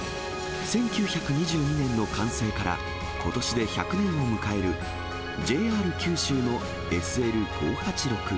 １９２２年の完成から、ことしで１００年を迎えるＪＲ九州のＳＬ５８６。